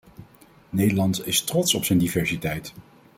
Nederland is trots op zijn diversiteit.